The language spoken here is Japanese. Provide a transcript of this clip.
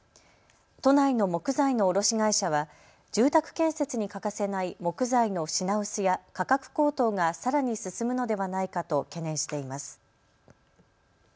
都内の木材の卸会社は住宅建設に欠かせない木材の品薄や価格高騰がさらに進むのではないかと懸念しています。